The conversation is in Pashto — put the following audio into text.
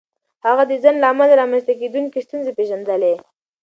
هغه د ځنډ له امله رامنځته کېدونکې ستونزې پېژندلې.